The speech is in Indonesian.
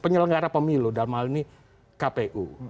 penyelenggara pemilu dalam hal ini kpu